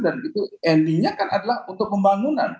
dan itu intinya kan adalah untuk pembangunan